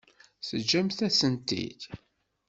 Teǧǧamt-asent-t-id.